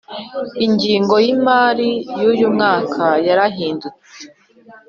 Ingengo yimari yuyu mwaka yarahindutse